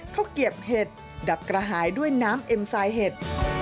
เก็บเห็ดดับกระหายด้วยน้ำเอ็มไซด์เห็ด